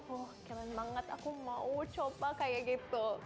oh keren banget aku mau coba kayak gitu